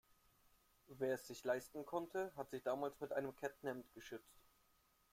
Wer es sich leisten konnte, hat sich damals mit einem Kettenhemd geschützt.